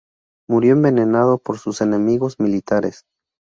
Murió envenenado por sus enemigos militares.